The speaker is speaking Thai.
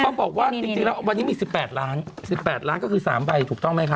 บอกว่าจริงแล้ววันนี้มี๑๘ล้าน๑๘ล้านก็คือ๓ใบถูกต้องไหมคะ